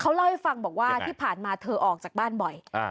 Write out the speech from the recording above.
เล่าให้ฟังบอกว่าที่ผ่านมาเธอออกจากบ้านบ่อย